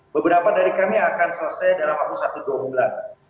beberapa dari kami akan selesai dalam waktu satu dua bulan